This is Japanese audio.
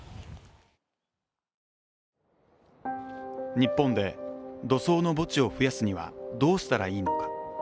日本で土葬の墓地を増やすにはどうしたらいいのか。